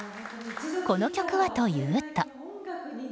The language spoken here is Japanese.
この曲はというと。